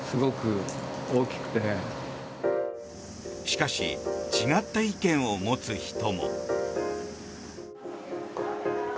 しかし違った意見を持つ人も。